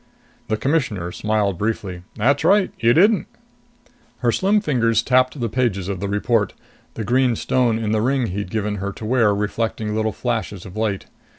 The Commissioner smiled briefly. "That's right. You didn't." Her slim fingers tapped the pages of the report, the green stone in the ring he'd given her to wear reflecting little flashes of light.